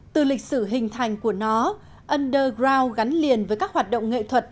từ lịch sử hình thành của nó underground gắn liền với các hoạt động nghệ thuật